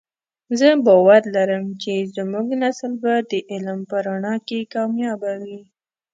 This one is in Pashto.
زه باور لرم چې زمونږ نسل به د علم په رڼا کې کامیابه وی